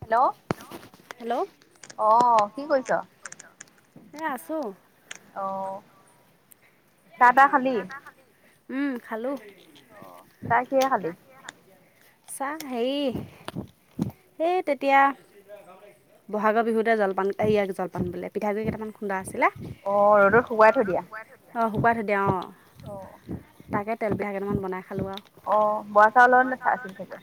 Hello অ', কি কইছ? কি কইছ? এ, আছোঁ। অ'। [unintelligible] চা তা খালি? উম খালোঁ। অ', চাহ কিহে খালি? [unintelligible] চাহ হেই সেই তেতিয়া বহাগ বিহুতে জলপান সেইয়া জলপান বোলে পিঠাগুই কেইটামান খুন্দা আছিলে অ', ৰ'দত শুকুৱাই থৈ দিয়া অ', শুকোৱাই থৈ দিয়া অ'। অ'। তাকে তেল পিঠা কেইটামান বনাই খালোঁ আও। অ', বআ চাউলৰ না চা আছিল চাগে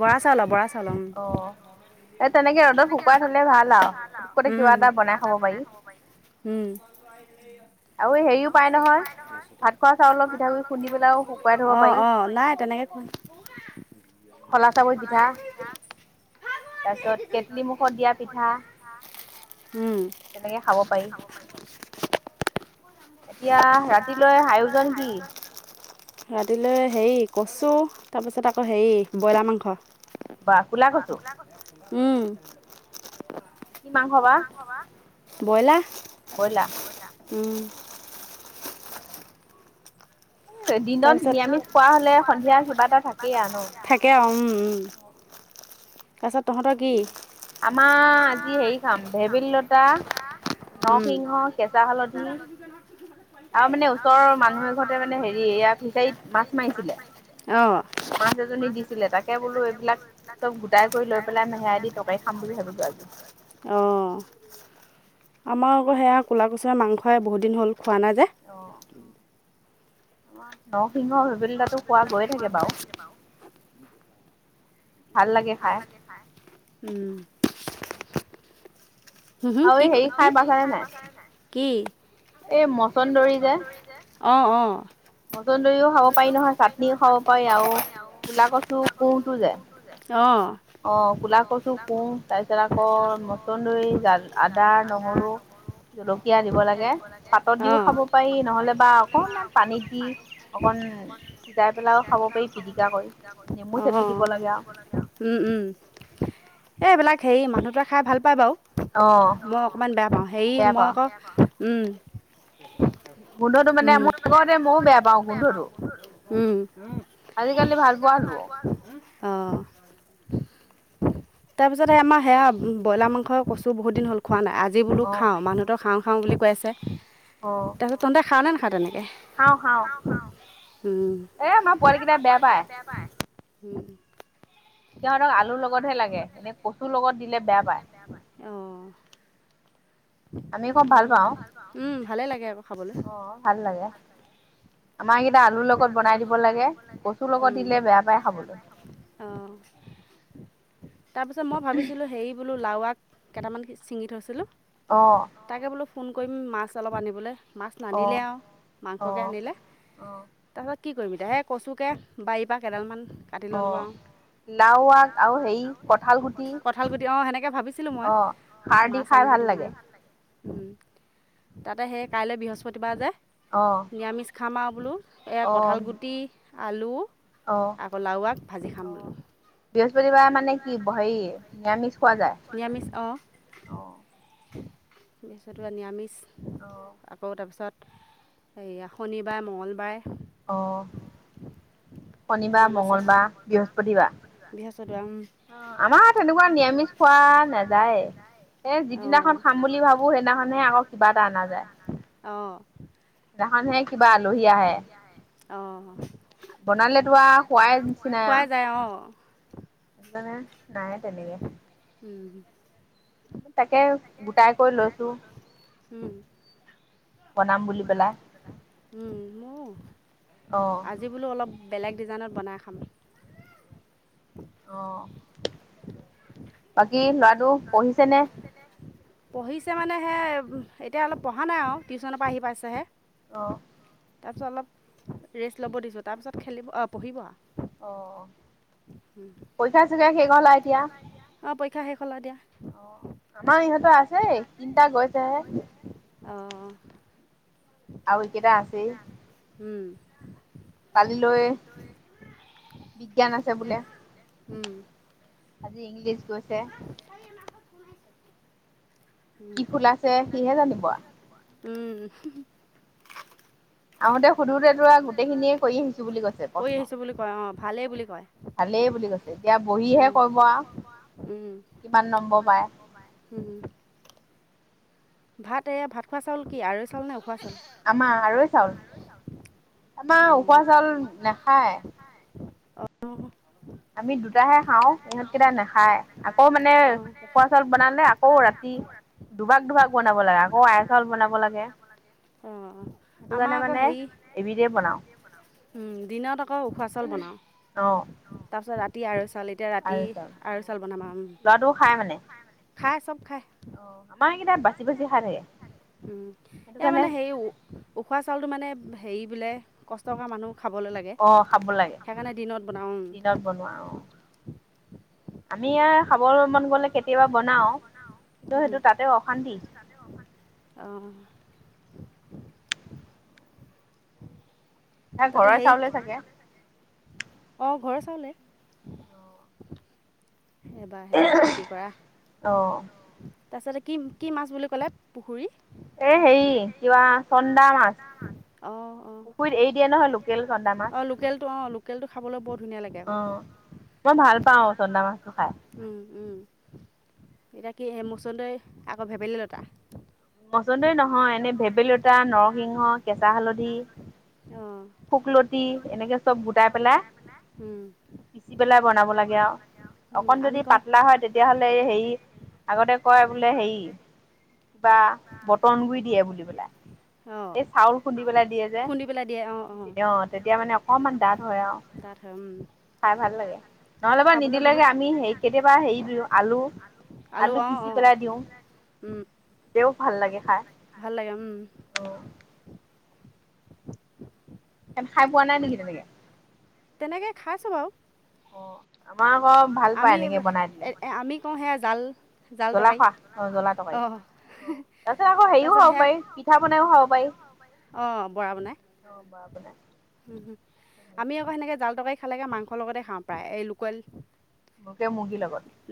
বৰা চাউল' বৰা চাউল' উম [unintelligible] তেনেকে ৰ'দত শুকুৱাই থ'লে ভাল আও উম উম, মানে কিবা এটা বনাই খাব পাৰি হম। আৰু হেৰিও পাই নহয় ভাত খোৱা চাউলৰ [unintelligible] অ', অ', নাই তেনেকে কয় [unintelligible] কলা চাউল পিঠা তাপিছত কেটলি মুুখত দিয়া পিঠা অ', উম। তেনেকে খাব পাৰি এতিয়া ৰাতিলৈ আয়োজন কি? ৰাতিলৈ হেই কচুঁ তাপিছত আকৌ হেই বয়লা মাংস বাহ কোলা কচু, উম। কি মাংস বা? মাংস বা, ব্ৰইলাৰ। ব্ইলা। ব্ৰইলাৰ উম। তাৰপিছত দিনত নিৰামিষ খোৱা হলে সন্ধিয়া কিবা এটা থাকে আৰু থা থাকে আও উম উম, তাৰপিছত তহঁতৰ কি? আমাৰ [unintelligible] কি খাম [unintelligible] নৰসিংহ কেচা হালধি। [unintelligible] আৰু মানে ওচৰৰ মানুহ এ ঘৰতে মানে হেৰি এয়া ফিচাৰীত মাছ মাৰিছিলে। অ' মাছ এজনী দিছিলে, তাকে বোলো এইবিলাক। চব গোটাই কৰি লৈ পেলাই নে সেয়াই দি তৰকাৰি খাম বুলি ভাবিছো আজি অ'। আমাৰ আকৌ সেয়া ক'লা কচুৱে মাংসই বহুদিন হ'ল, খোৱা নাই যে। অ' [unintelligible] ভাল লাগে খাই। উম, হুম হুম, কি ক কি, আও হেৰি খাই পাইছা নে নাই? কি এই মচোন্দৰী যে অ', অ'। মচন্দৰিও খাব পাৰি নহয়, চাটনিও খাব পাৰি আৰু কোলা কচু কুঁহটো যে। অ'। অ', ক'লা কচু কুহ তাৰ পিছত আকৌ মচন্দৰী, জাল, আদা, নহৰু। জলকীয়া দিব লাগে, পাতত দিও খাব পাৰি নহলে বা অকনমান পানীত দি। অকণ সিজাই পেলাইও খাব পাৰি পিটিকা কৰি নেমু চেপি দিব লাগে আৰু উম উম, এই এইবিলাক হেৰি মানুহ টোৱে খাই ভাল বাৰু। মই অকণমান বেয়া পাওঁ, হেৰি মই আকৌ, বেয়া পাওঁ, উম গোন্ধটো মানে, মোৰ আগতে ময়ো বেয়া পাওঁ গোন্ধটো। [unintelligible] উম [unintelligible] আজিকালি ভাল পোৱা হলোঁ আও [unintelligible] অ'। তাৰ পিছতে আমাৰ সেয়া, ব্ৰইলাৰ মাংসৰ কচু বহুত হ'ল খোৱা নাই, আজি বোলো খাওঁ, মানুহটোৱে খাওঁ খাওঁ বুলি কৈ আছে, তাৰপিছত তহতে খাৱ নে নাখাৱ তেনেকে? অ', খাওঁ। খাওঁ, উম, এই আমাৰ বইল দিলে বেয়া পায়, উম। সিহঁতক আলুৰ লগতহে লাগে, এনে কচুৰ লগত দিলে বেয়া পায়। অ' [unintelligible] উম, ভালে লাগে আকৌ খাবলে। অ', ভাল লাগে। আমাক কেইটা আলুৰ লগত বনাই দিব লাগে, কচুৰ লগত দিলে বেয়া পায় খাবলৈ। অ', তাৰপিছত মই ভাবিছিলোঁ হেৰি বুলো, লাউ আগ কেইটামান ছিঙি থৈছিলোঁ। অ' তাকে বোলো ফোন কৰিম, মাছ অলপ আনিবলে। অঁ। তাৰ পিছত কি কৰিম এতিয়া সেই কচুকে বাৰীৰ পৰাা কেইডালমান কাটি ললো। আৰু কঠাল গুটি অ, সেনেকে ভাবিছিলো মই। মাছ আনিব দিম বুলি। উম তাতে সেই কাইলৈ বৃহস্পতিবাৰ যে। অ। নিৰামিষ আৰু বোলো এই গুটি আলু আকৌ লওাক ভাজি খাম বোলো বৃহস্পতিবাৰে মানে কি হে নিৰামিষ খোৱা যায়। নিৰামিষ অঁ, তছত নিৰামিষ। অ। আকৌ তাৰপিছত এইে শনিবাৰে মঙলবাৰে। আহ শনিবাৰ মং্গলবাৰ বৃহস্পতিবাৰ। বিহ চত আম অ, আমাৰ তেনেকুৱা নিৰামিষ খোৱা নাযায়। এ, যিদিনাখন খাম বুলি ভাবো সেইদিনাখনহে আকৌ কিবা এটা অনা যায়। অ। দেখানে ে কিবাঢিয়াহে অ ালাই খুৱাই যায় অ এান নাইে তনেে উম। তাকে গোটাই কৰিৈ লৈছো। হম। উম, ম যিবোলো অলপ বেলেগ ডিজাইনত বনাই খাম। অ' বাকী লৰাটো পঢ়িছে নে। পঢ়িছে মানেহে এতিয়া অলপ পঢ়া নাই আৰু টিউশ্যনৰ পৰা আহি পাইছেহে। অ'। তাৰপিছত অলপ ৰেষ্ট ল'ব দিছোঁ তাৰপিছত খেলিব, অঁ'পঢ়িব আৰু। অ' পৰীক্ষা আছিলে শেষ হল আৰু এতিয়া। অঁ' পৰীক্ষা শেষ হ'ল আৰু দিয়া। অ' আমাৰ ইহঁতৰ আছেই তিনিটা গৈছেহে। অ'। আৰু একেটা আছেই। উম'। কালিলৈ, বিজ্ঞান আছে বোলে। উম'। আজ ইংলিছ গৈছে। উম', উম'। আহতে সুধোতে কৰি আহিছো বুলি কোৱা অ' ভালেই বুলি কয়। ভালেই বুলি কৈছে এতিয়া বহিহে ক'ব আৰু, কিমান নম্বৰ পায়। উম'। ভাত এয়া ভাত খোৱা চাউল কি আৰু আহৈ চাউল নে উখহা চাউল। আমাৰ আহৈ চাউল, আমাৰ উখহা চাউল নাখায়। আমি দুটাহে খাওঁ ইহতকেইটাই নাখায় আকৌ মানে। উখোৱা চাউল বনালে, আকৌ ৰাতি দুভাগ-দুভাগ বনাব লাগে। আকৌ আয়া চাউল বনাব লাগে। ও, উম। সেটো কাৰণে মানে এবিদেই বনাওঁ। উম। দিনত আকৌ উখোৱা চাউল বনাওঁ, তাৰপিছত ৰাতি আৰৈ চাউল। এতিয়া ৰাতি আৰৈ চাউল বনাম আৰু, খাই চব খাই। উম। এয়া মানে হেৰি ও উখোৱা চাউলটো মানে হেৰি বোলে, কষ্ট কৰা মানুহ খাবলে লাগে। অ', খাব লাগে। দিনত বনোৱা অ'। আমি আ খাবলৈ মন গ'লে কেতিয়াবা বনাওঁ। তই সেইটো তাতে অশান্তি। অ'। তাই ঘৰৰে চাউলে চাগে? অ' ঘৰৰ চাউলেই। এবাৰ সেয়া খেতি কৰা। তাৰপিছতে কি কি মাছ বুলি ক'লে পুখুৰী এ হেৰি, কিবা চন্দা মাছ। অ' অ'। পুখুৰীত এৰি দিয়ে নহয় লোকেল চন্দা মাছ। লোকেলটো অ', লোকেলটো খাবলে বৰ ধুনীয়া লাগে আকৌ। মই ভাল পাওঁ চন্দা মাছটো খাই। উম। উম। এতিয়া কি সেই মসুণ্ডৰি আকৌ ভেৱেলিলতা? মসুণ্ডৰী নহয়- এনে ভেবেলীতা, নৰসিংহ, কেঁচাহালধি অ'। শুকলতি, এনেকে চব গোটাই পেলাই দি পেলাই বনাব লাগে আৰু। অকণ যদি পাতলা হয়, তেতিয়াহ'লে হেৰি আগতে কয় বোলে হেৰি বা বটন গুৰি দিয়ে বুলি পেলাই, এই চাউল খুন্দি পেলাই দিয়ে যে। [unintelligible] পেলাই দিয়ে অ'। তেতিয়া অ', তেতিয়া মানে অকণমান ডাঠ হয় আউ। ডাঠ হয়, উম। ভাল লাগে নহ'লে বা নিদিলেকে আমি হেৰি কেতিয়াবা হেৰি দিওঁ আলু আলু পিচি পেলাই দিওঁ, তেও ভাল লাগে খাই। ভাল লাগে, উম। [unintelligible] খাই পোৱা নাই নেকি তুমি? তেনেকে খাইছোঁ বাৰু। আমি আমি কওঁ সেয়া জাল জাল তৰকাৰি। অ'। [unintelligible] তাতে আকৌ হেৰিও খাব পাৰি, পিঠা বনাইও খাব পাৰি। অ', বৰা বনাই। অ', বৰা বনাই। আমি আকৌ সেনেকে জাল তৰকাৰী খালেগে মাংসৰ লগতে খাওঁ প্ৰায়, এই লোকেল।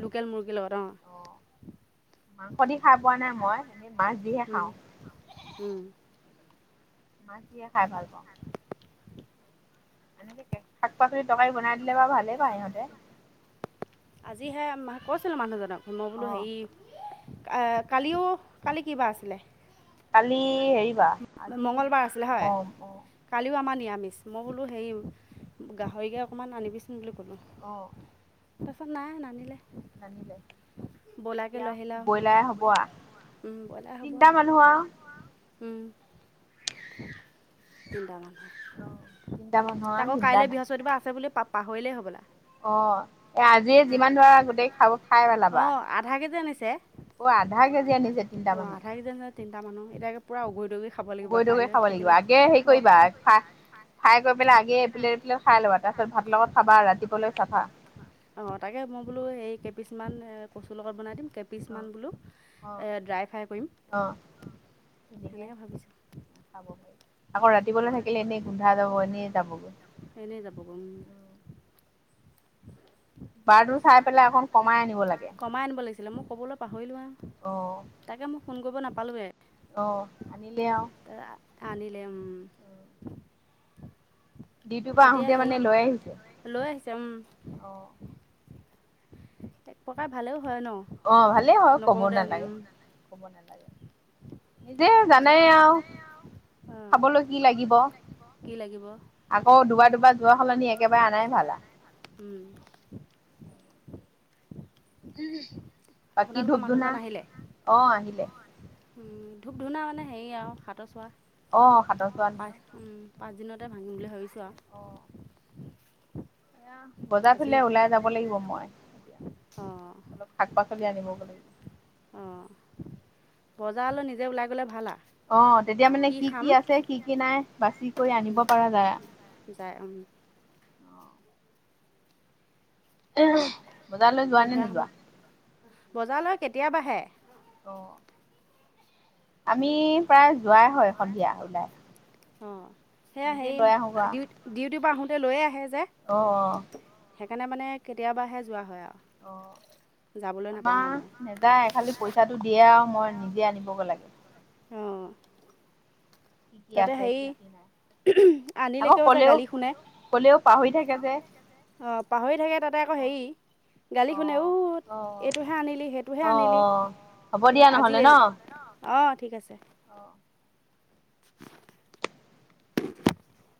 লোকেল মুৰ্গীৰ লগত অ'। অ', মাংস দি খাই পোৱা নাই মই, মাছ দিহে খাওঁ। উম। মাছ দিয়ে খাই ভাল পাওঁ। এনেক শাক- পাচলি তৰকাৰী বনাই দিলে বাৰু ভালেই পায় সিহঁতে। আজিহে কৈছিলোঁ মানুহজনক মই বোলো হেৰি অ, কালিও কালি বাৰ আছিলে? কালি হেৰি বাৰ, আজি অ, অ। কালিও আমাৰ নিৰামিষ। মই বোলো হেৰি গাহৰিকে অকণমান আনিবিচোন ক'লোঁ। অ। তাৰপিছত নাই নানিলে। নানিলে? এতিয়া ব্ৰইলাৰে হ'ব আৰু। তিননিটাহে মানুহ আৰু। উম, তিনিটা মান। তাকৌ কাইলৈ বৃহস্পতিবাৰ আছে বুলি পা- পাহৰিলেই হ'বলা। অ। আজি যিমান ধৰা খাব পাৰিব। অ, আধা কেজি আনিছে। অ, আধা কেজি। অ, আধা কেজি আনিছে, তিনিটা মানুহ। এতিয়া পূৰা উবুৰি দুবৰি খাব লাগিব। কাইলৈ থাকিলে খাই কৰি পেলাই আগেয়ে ইফালে ইফালে-সিফালে চাই ল'বা। তাৰপিছত ভাত লগত চাবা, আৰু ৰাতিপুৱাই চাবা। অ তাকে মই বোলো, এই কেইপিচ মান কচুৰ লগত বনাই দিম কেই পিচ কেইপিচমান বোলো ড্ৰাই ফ্ৰাই কৰিম। সেনেকৈ ভাবিছোঁ। খাব পাৰ, আকৌ ৰাতিপুৱালে থাকিলে এনে গোন্ধা যাব, এনেই যাবগৈ। এনেই যাবগে, উম। চাই পেলাই কমাই আনিব লাগিছিলে। মই কমাই আনিব লাগিছিলে, মই কথাটো পাহৰিলো আৰু। তাকে মোক ফোন কৰিব নাপালোৱে। অহ, আনিলে, উম। এতিয়া হেৰি, সেই লৈ আহিছে, উম। অঁ। [inaudible] এক প্ৰকাৰ ভালেও হয় ন। অ, ভালেই হয়। ক'বও নালাগে, ক'ব নালাগে। নিজে জানে আৰু। খাবলৈ কি লাগিব। কি লাগিব? আকৌ দুবাৰ- দুবাৰ যোৱাৰ, সলনি একেবাৰে আনাই ভাল আ। উম। [inaudible] বাকী ধূপ- ধূনা, অ, আহিলে। উম, ধূপ- ধূনা মানে হেৰি আৰু, কাঠৰ চোৱা। অ, হাতৰ [unintelligible] উম, পাঁচদিনতে ভাঙিম বুলি ভাবিছোঁ আৰু। বজাৰফালে ওলাই যাব লাগিব মই। অলপ শাক- পাচলি আনিবগে লাগিব। অ' বজাৰলৈ নিজে ওলাই গ'লে ভাল আৰু। অ, তেতিয়া মানে কি কি আছে, কি কি নাই, বাচি কৰি আনিব পাৰ যায়া। যায়, উম। বজাৰলৈ যোৱা নে নোযোৱা? বজাৰলৈ কেতিয়াবাহে। অ। আমি প্ৰায় যোৱাই হয়, সন্ধিয়া ওলাই। অ, সেয়া হেৰি, ডিউ-ডিউটিৰপৰা আহোঁতে লৈয়ে আহে যে। অহ, অহ। '। সেইকাৰণে মানে কেতিয়াবাহে যোৱা হয় আৰু। অ' আপা নেযায়, খালি পইচাটো দিয়ে আৰু মই নিজে আনিবগৈ লাগে। তাতে হেৰি [unintelligible] আনিলেকেওঁ, যে গালি শুনে। কলেও' পাহৰি থাকে, অ' পাহৰি থাকে তাতে আকৌ হেৰি গালি শুনে অ' এইটোহে আনিলি, সেইটোহে আনিলি, [unintelligible] আজি এই অহ' ঠিক আছে। [inaudible]